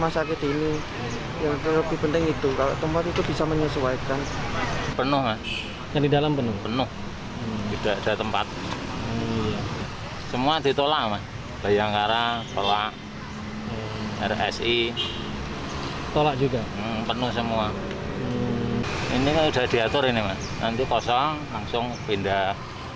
saya sudah diatur ini nanti kosong langsung pindah